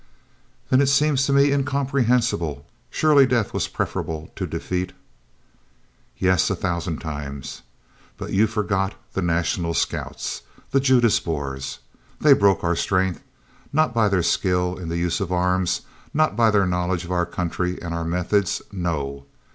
"Then it seems to me incomprehensible! surely death were preferable to defeat!" "Yes, a thousand times; but you forget the National Scouts the Judas Boers. They broke our strength. Not by their skill in the use of arms, not by their knowledge of our country and our methods no!"